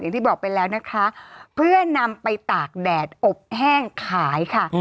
อย่างที่บอกไปแล้วนะคะเพื่อนำไปตากแดดอบแห้งขายค่ะ